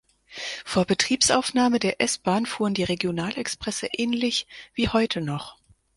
Vor Betriebsaufnahme der S-Bahn fuhren die Regionalexpresse ähnlich wie heute noch.